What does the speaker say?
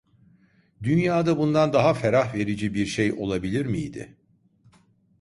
Dünyada bundan daha ferah verici bir şey olabilir miydi?